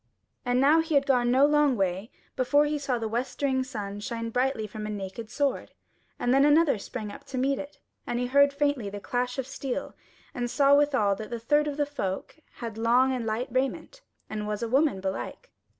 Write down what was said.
And now he had gone no long way before he saw the westering sun shine brightly from a naked sword, and then another sprang up to meet it, and he heard faintly the clash of steel, and saw withal that the third of the folk had long and light raiment and was a woman belike.